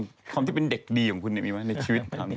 คุณเคยมีไหมความที่เป็นเด็กดีของคุณในชีวิต